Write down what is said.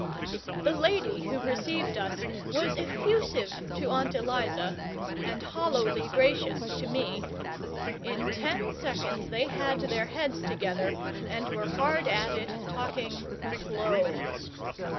The lady who received us was effusive to Aunt Eliza and hollowly gracious to me. In ten seconds they had their heads together and were hard at it talking CLOTHES.